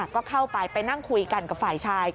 ก็เข้าไปไปนั่งคุยกันกับฝ่ายชาย